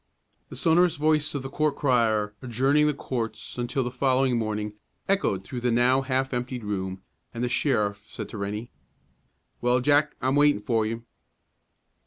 The sonorous voice of the court crier, adjourning the courts until the following morning, echoed through the now half emptied room, and the sheriff said to Rennie, "Well, Jack, I'm waiting for you."